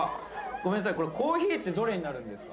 ごめんなさい、コーヒーってどれになるんですか？